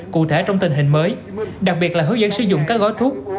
cụ thể trong tình hình mới đặc biệt là hướng dẫn sử dụng các gói thuốc